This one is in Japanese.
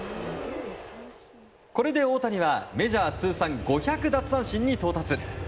これで大谷はメジャー通算５００奪三振に到達。